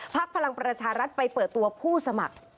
พลังประชารัฐไปเปิดตัวผู้สมัคร